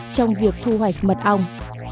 trong việc thu hoạch mật ong